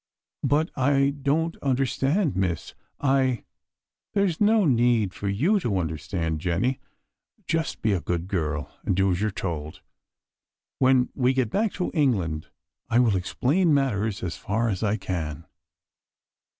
"But I don't understand, Miss I " "There is no need for you to understand, Jenny. Just be a good girl, and do as you're told. When we get back to England I will explain matters as far as I can."